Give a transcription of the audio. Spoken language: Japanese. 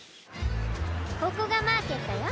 ここがマーケットよ。